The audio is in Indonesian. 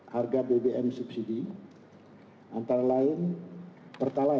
harga bbm subsidi antara lain pertalite